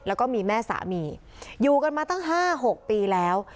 แล้วก็มีแม่สามีอยู่กันมาตั้ง๕๖ปีแล้ว